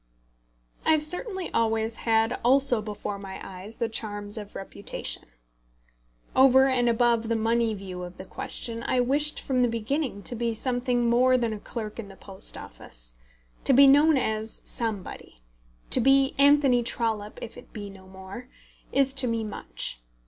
I have certainly always had also before my eyes the charms of reputation. Over and above the money view of the question, I wished from the beginning to be something more than a clerk in the Post Office. To be known as somebody, to be Anthony Trollope if it be no more, is to me much.